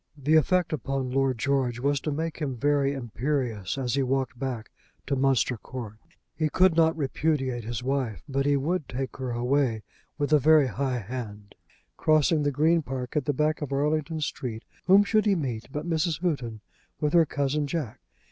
The effect upon Lord George was to make him very imperious as he walked back to Munster Court. He could not repudiate his wife, but he would take her away with a very high hand. Crossing the Green Park, at the back of Arlington Street, whom should he meet but Mrs. Houghton with her cousin Jack.